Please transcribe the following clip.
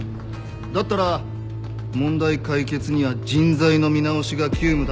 だったら問題解決には人材の見直しが急務だ。